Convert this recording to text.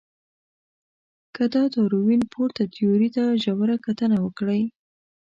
که د داروېن پورته تیوري ته ژوره کتنه وکړئ.